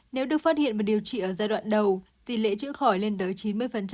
nếu được phát hiện và điều trị ở giai đoạn đầu tỷ lệ chữa khỏi lên tới chín mươi